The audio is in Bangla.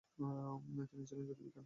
তিনি ছিলেন জ্যোতির্বিজ্ঞানী।